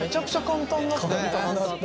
簡単だった。